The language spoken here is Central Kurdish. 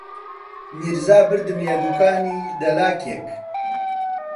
میرزا بردمییە دووکانی دەلاکێک